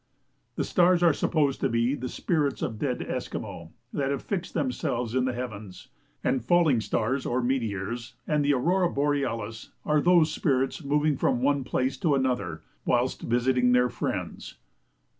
The stars are supposed to be the spirits of the dead Esquimaux that have fixed themselves in the heavens, and falling stars, or meteors, and the aurora borealis, are those spirits moving from one place to another whilst visiting their friends.